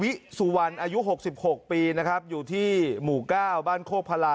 วิสุวรรณอายุหกสิบหกปีนะครับอยู่ที่หมู่ก้าวบ้านโคกพลา